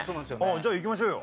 じゃあいきましょうよ。